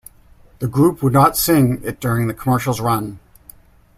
The group would not sing it during the commercial's run.